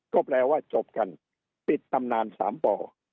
ก็แปลว่าจบกันปิดตำนาน๓ป่อ